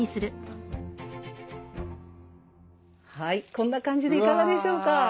はいこんな感じでいかがでしょうか？